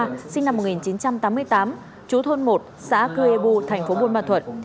nguyễn đoàn tú khoa sinh năm một nghìn chín trăm tám mươi tám chú thôn một xã cư ê bu thành phố buôn ma thuật